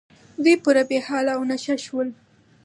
دوی پوره بې حاله او نشه شول.